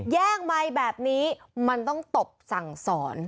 แย่งไมค์แบบนี้มันต้องตบสั่งสอน